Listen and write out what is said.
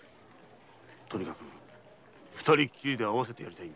とにかく二人きりで会わせてやりたいんだ。